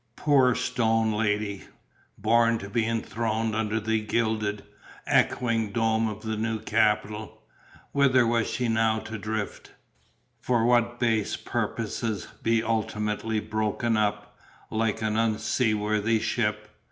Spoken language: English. Poor stone lady! born to be enthroned under the gilded, echoing dome of the new capitol, whither was she now to drift? for what base purposes be ultimately broken up, like an unseaworthy ship?